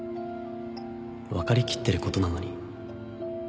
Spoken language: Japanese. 分かりきってることなのに